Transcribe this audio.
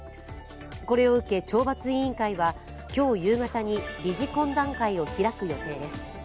これを受け、懲罰委員会は今日夕方に理事懇談会を開く予定です。